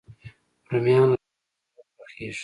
رومیان له هګۍ سره هم پخېږي